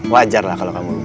wajar lah kalau kamu